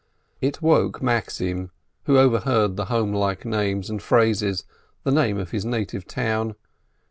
It woke Maxim, who overheard the homelike names and phrases, the name of his native town.